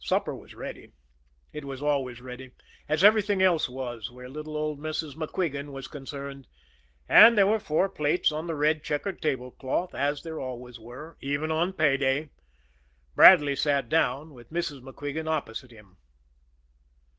Supper was ready it was always ready, as everything else was where little old Mrs. MacQuigan was concerned; and there were four plates on the red checkered tablecloth as there always were even on pay day! Bradley sat down, with Mrs. MacQuigan opposite him.